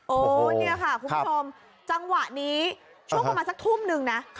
โอ้เนี่ยค่ะคุณผู้ชมจังหวะนี้ช่วงประมาณสักทุ่มนึงนะ